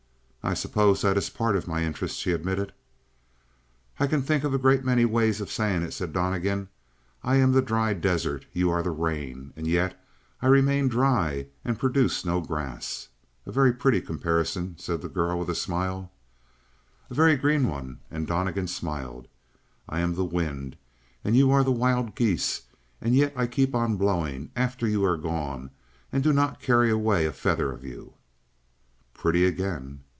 "I suppose that is part of my interest," she admitted. "I can think of a great many ways of saying it," said Donnegan. "I am the dry desert, you are the rain, and yet I remain dry and produce no grass." "A very pretty comparison," said the girl with a smile. "A very green one," and Donnegan smiled. "I am the wind and you are the wild geese, and yet I keep on blowing after you are gone and do not carry away a feather of you." "Pretty again."